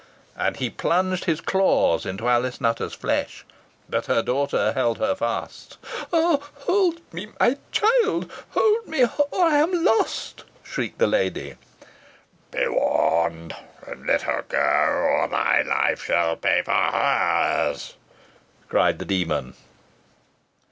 And he plunged his claws into Alice Nutter's flesh. But her daughter held her fast. "Oh! hold me, my child hold me, or I am lost!" shrieked the lady. "Be warned, and let her go, or thy life shall pay for her's," cried the demon.